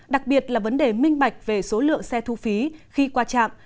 đặc biệt là vấn đề minh bạch về số lượng xe thu phí khi qua trạm